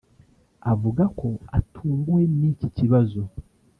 avuga ko atunguwe n'iki kibazo